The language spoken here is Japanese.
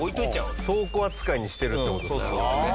倉庫扱いにしてるって事ですね。